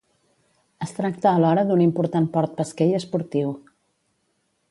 Es tracta alhora d'un important port pesquer i esportiu.